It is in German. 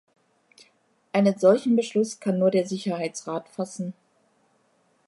Einen solchen Beschluss kann nur der Sicherheitsrat fassen.